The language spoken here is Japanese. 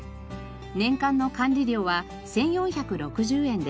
年間の管理料は１４６０円です。